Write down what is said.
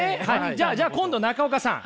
じゃあじゃあ今度中岡さん